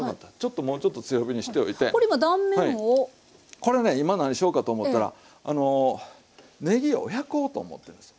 これね今何しようかと思ったらあのねぎを焼こうと思ってんですよ。